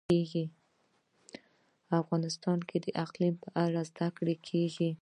افغانستان کې د اقلیم په اړه زده کړه کېږي.